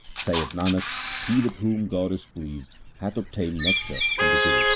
3 Saith Nanak, he with whom God is pleased, hath obtained nectar from the Guru.